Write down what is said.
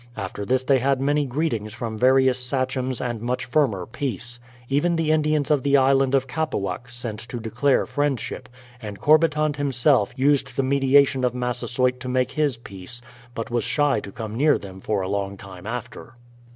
After this they had many greetings from various Sachems and much firmer peace. Even the Indians of the Island of Capawack sent to declare friendship ; and Corbitant himself used the mediation of Massasoyt to make his peace, but was shy to come near them for a long time after.